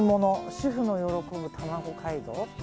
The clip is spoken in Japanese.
主婦の喜ぶ、たまご街道。